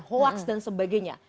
hoax dan sebagainya